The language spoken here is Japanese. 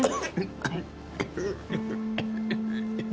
はい。